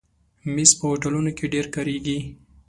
مېز په هوټلونو کې ډېر کارېږي.